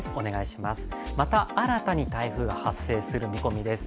また新たに台風が発生する見込みです。